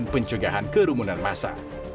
pencegahan kerumunan masa